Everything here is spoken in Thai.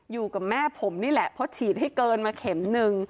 อยู่กับแม่ผมนี่แหละเพราะฉีดให้เกินมาเข็มนึง